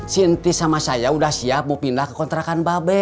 sinti sama saya udah siap mau pindah ke kontrakan babe